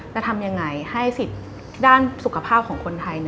จะทำยังไงให้สิทธิ์ด้านสุขภาพของคนไทย